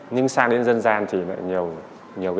nhưng sang đến dân gian thì lại nhiều